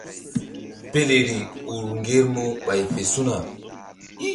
Peleri ur ŋgermu ɓay fe su̧na.